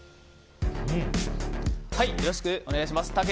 よろしくお願いします。